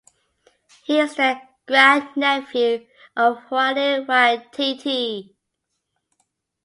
He is the grandnephew of Hoani Waititi.